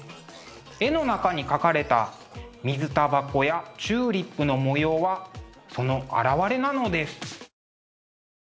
絵の中に描かれた水タバコやチューリップの模様はその表れなのです。